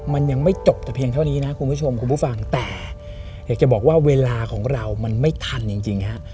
มันยังไม่จบแต่เพียงเท่านี้นะคุณผู้ชมคุณผู้ฟังแต่อยากจะบอกว่าเวลาของเรามันไม่ทันจริงฮะ